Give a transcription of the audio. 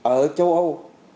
ở châu âu